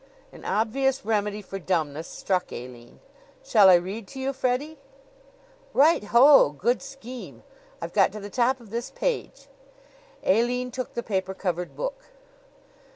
An obvious remedy for dumbness struck Aline. "Shall I read to you, Freddie?" "Right ho! Good scheme! I've got to the top of this page." Aline took the paper covered book.